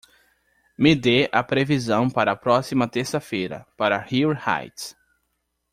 me dê a previsão para a próxima terça-feira. para Ree Heights